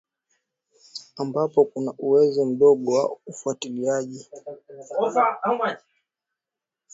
ambapo kuna uwezo mdogo wa ufuatiliaji